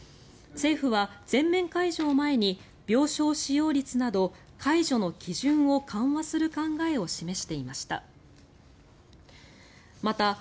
政府は全面解除を前に病床使用率など解除の基準を緩和する考えを示していました。